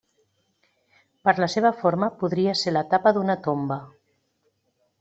Per la seva forma podria ser la tapa d'una tomba.